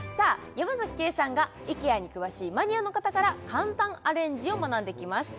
山ケイさんがイケアに詳しいマニアの方から簡単アレンジを学んできました